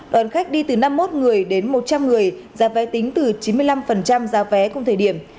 đón khách đi từ năm mươi một người đến một trăm linh người giá vé tính từ chín mươi năm giá vé cùng thời điểm